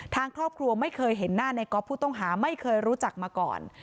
ทางครอบครัวไม่เคยเห็นหน้าในก๊อฟผู้ต้องหาไม่เคยรู้จักมาก่อน